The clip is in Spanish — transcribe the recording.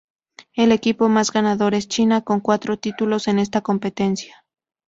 El equipo más ganador es China con cuatro títulos en esta competencia.